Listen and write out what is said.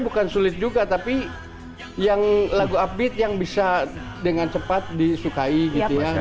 bukan sulit juga tapi yang lagu upbeat yang bisa dengan cepat disukai gitu ya